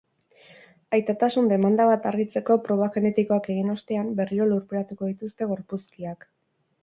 Aitatasun demanda bat argitzeko proba genetikoak egin ostean, berriro lurperatuko dituzte gorpuzkiak.